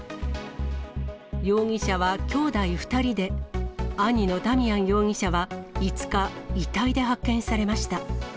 容疑者は兄弟２人で、兄のダミアン容疑者は５日、遺体で発見されました。